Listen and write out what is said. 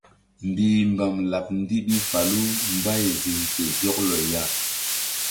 Mbihmbam laɓ ndiɓi falu mbay ziŋ fe zɔklɔ ya.